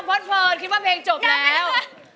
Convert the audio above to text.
กังพนคิดว่าเพลงจบแล้ว